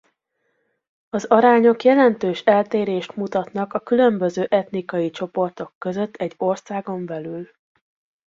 Az arányok jelentős eltérést mutatnak a különböző etnikai csoportok között egy országon belül.